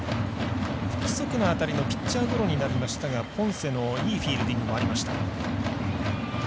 不規則な当たりのピッチャーゴロになりましたがポンセのいいフィールディングもありました。